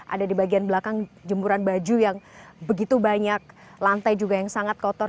ada di bagian belakang jempuran baju yang begitu banyak lantai juga yang sangat kotor